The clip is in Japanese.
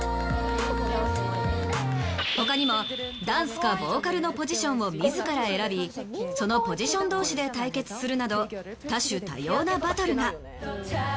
他にもダンスかボーカルのポジションを自ら選びそのポジション同士で対決するなど多種多様なバトルが。